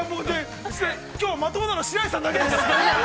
きょうまともなの、白石さんだけです。